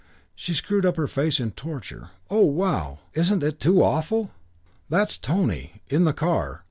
She screwed up her face in torture. "Oh, wow! Isn't it too awful! That's Tony. In the car.